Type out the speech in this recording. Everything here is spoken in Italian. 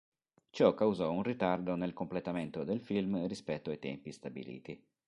Ciò causò un ritardo nel completamento del film rispetto ai tempi stabiliti.